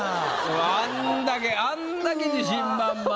あんだけあんだけ自信満々で。